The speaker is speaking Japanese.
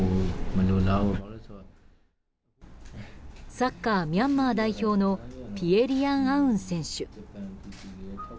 サッカー、ミャンマー代表のピエ・リアン・アウン選手。